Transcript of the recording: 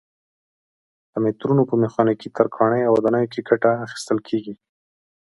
له مترونو په میخانیکي، ترکاڼۍ او ودانیو کې ګټه اخیستل کېږي.